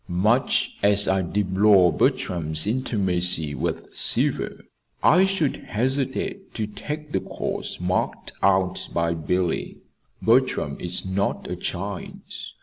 Much as I deplore Bertram's intimacy with Seaver, I should hesitate to take the course marked out by Billy. Bertram is not a child.